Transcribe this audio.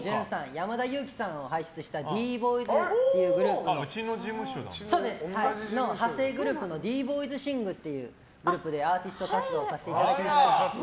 山田裕貴さんを輩出したＤ‐ＢＯＹＳっていうグループの派生グループのＤ‐ＢＯＹＳＳＩＮＧっていうグループでアーティスト活動をさせていただいてます。